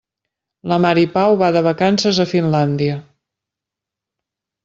La Mari Pau va de vacances a Finlàndia.